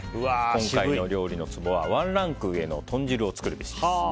今回の料理のツボはワンランク上の豚汁を作るべし。